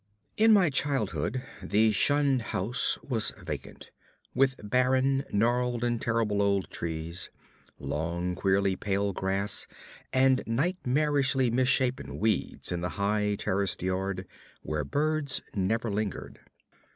In my childhood the shunned house was vacant, with barren, gnarled and terrible old trees, long, queerly pale grass and nightmarishly misshapen weeds in the high terraced yard where birds never lingered.